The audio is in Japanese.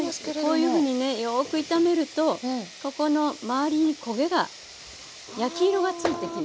こういうふうにねよく炒めるとここの周りに焦げが焼き色がついてきますね。